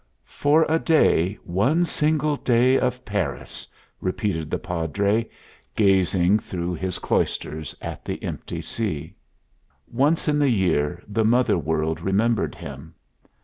"For a day, one single day of Paris!" repeated the Padre, gazing through his cloisters at the empty sea. Once in the year the mother world remembered him.